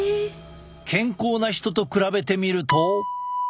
健康な人と比べてみると。